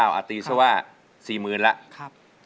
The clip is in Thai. ๓๙๐๐๐บาทอาตีศวะ๔๐๐๐๐บาทแล้ว